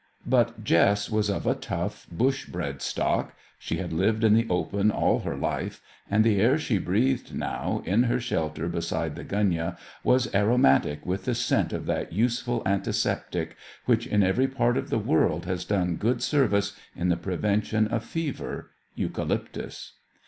But Jess was of a tough, bush bred stock; she had lived in the open all her life, and the air she breathed now, in her shelter beside the gunyah, was aromatic with the scent of that useful antiseptic which in every part of the world has done good service in the prevention of fever eucalyptus.